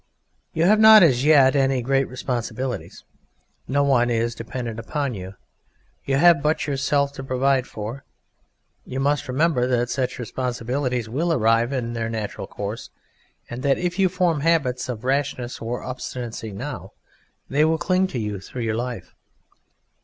You have not, as yet, any great responsibilities. No one is dependent upon you you have but yourself to provide for; but you must remember that such responsibilities will arrive in their natural course, and that if you form habits of rashness or obstinacy now they will cling to you through life.